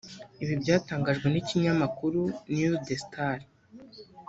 Ibi byatangajwe n’ikinyamakuru news de star